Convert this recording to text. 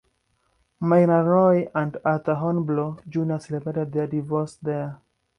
Myrna Loy and Arthur Hornblow, Junior celebrated their divorce there.